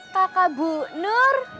kakak bu nur